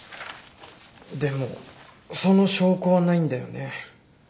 でもその証拠はないんだよね。